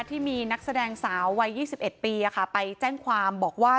ที่มีนักแสดงสาววัย๒๑ปีไปแจ้งความบอกว่า